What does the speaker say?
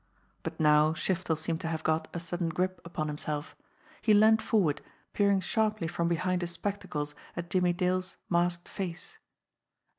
But now Shiftel seemed to have got a sudden grip upon himself. He leaned forward, peering sharply from behind his spectacles at Jimmie Dale's masked face.